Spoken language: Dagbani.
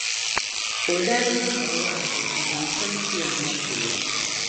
O daa niŋ ba wa’azu n-zaŋ chaŋ chiyaama polo.